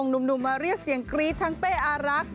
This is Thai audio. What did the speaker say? เรามาเรียกเสียงกรี๊ดทั้งเป้อารักษ์